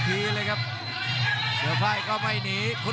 โอ้โหโอ้โหโอ้โหโอ้โห